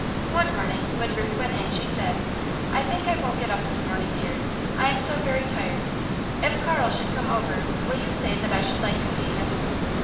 One morning, when Ruth went in, she said: "I think I won't get up this morning, dear; I am so very tired. If Carl should come over, will you say that I should like to see him?"